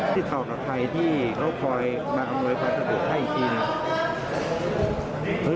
ติดต่อกับใครที่เขาคอยมาทำโนยความสะดวกให้อีกที